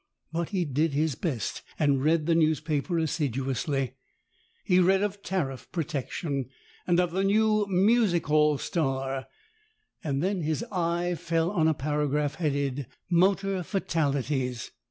But he did his best, and read the newspaper assiduously. He read of tariff, protection, and of a new music hall star. Then his eye fell on a paragraph headed "Motor Fatalities."